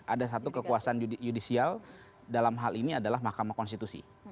ada satu kekuasaan yudisial dalam hal ini adalah mahkamah konstitusi